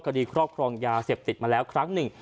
คดีครอบครองยาเสพติดมาแล้วครั้งหนึ่ง